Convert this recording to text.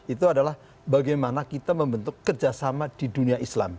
itu adalah bagaimana kita membentuk kerjasama di dunia islam